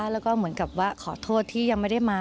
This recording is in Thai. แล้วก็เหมือนกับว่าขอโทษที่ยังไม่ได้มา